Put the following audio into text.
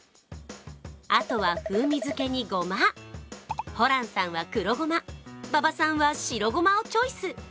あとは風味付けにごま、ホランさんは黒ごま、馬場さんは白ごまをチョイス。